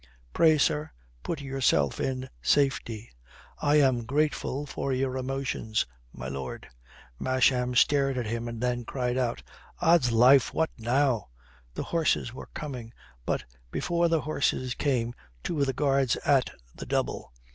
Pray, sir, put yourself in safety." "I am grateful for your emotions, my lord." Masham stared at him and then cried out, "Ods life, what now?" The horses were coming, but before the horses came two of the Guards at the double.